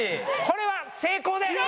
これは成功です。